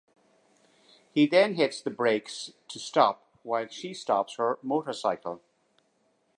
He then hits the brakes to stop while she stops her motorcycle.